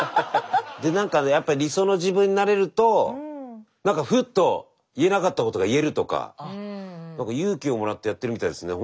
で何かやっぱ理想の自分になれると何かふっと言えなかったことが言えるとか何か勇気をもらってやってるみたいですね。